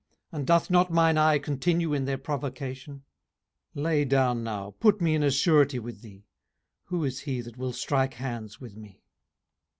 and doth not mine eye continue in their provocation? 18:017:003 Lay down now, put me in a surety with thee; who is he that will strike hands with me?